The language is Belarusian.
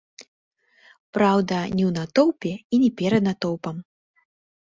Праўда, не ў натоўпе і не перад натоўпам.